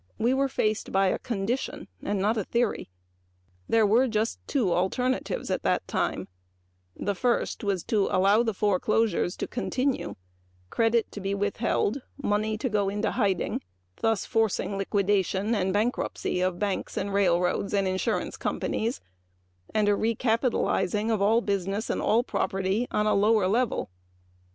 We were faced by a condition and not a theory. There were just two alternatives: The first was to allow the foreclosures to continue, credit to be withheld and money to go into hiding, and thus forcing liquidation and bankruptcy of banks, railroads and insurance companies and a recapitalizing of all business and all property on a lower level.